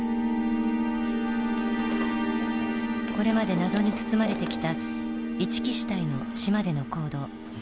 これまで謎に包まれてきた一木支隊の島での行動。